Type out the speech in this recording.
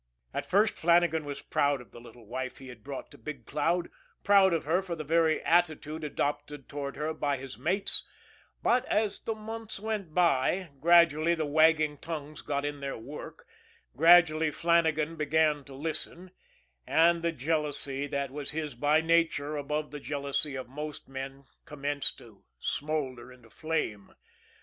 At first, Flannagan was proud of the little wife he had brought to Big Cloud proud of her for the very attitude adopted toward her by his mates; but, as the months went by, gradually the wagging tongues got in their work, gradually Flannagan began to listen, and the jealousy that was his by nature above the jealousy of most men commenced to smolder into flame.